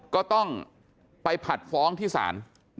ก็ต้องไปผัดฟ้องที่ศาล